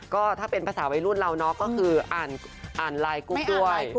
ก็ถ้าเป็นภาษาวัยรุ่นเราเนาะก็คืออ่านไลน์กุ๊กด้วย